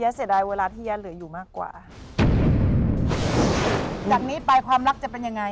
เสียดายเวลาที่แยะเหลืออยู่มากกว่าจากนี้ไปความรักจะเป็นยังไง